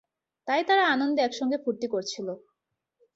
তাই তারা আনন্দে একসঙ্গে ফুর্তি করছিলো।